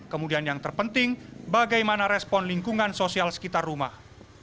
kemudian yang terpenting bagaimana respon lingkungan sosial sekitar rumah